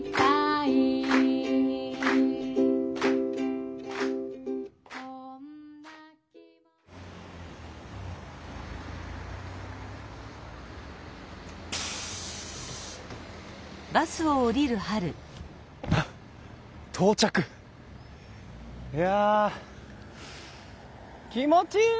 いや気持ちいい！